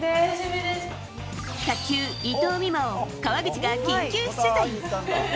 卓球、伊藤美誠を川口が緊急取材。